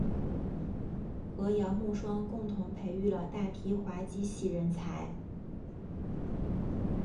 和姚慕双共同培育了大批滑稽戏人才。